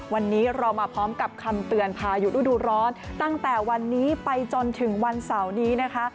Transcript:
วันนี้เรามาพร้อมกับคำเตือนพายุฤดูร้อนตั้งแต่วันนี้ไปจนถึงวันเสาร์นี้นะคะ